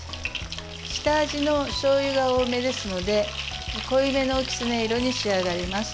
下味のしょうゆが多めですので濃いめのキツネ色に仕上がります。